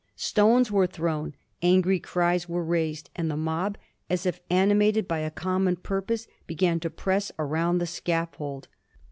Stones were thrown, angry cries were raised, and the mob, as if animated by a common purpose, began to press around the scaffold.